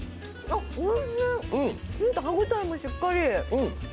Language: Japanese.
歯応えもしっかり。